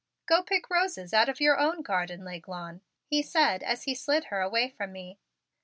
"Go pick roses out of your own garden, L'Aiglon," he said as he slid her away from me.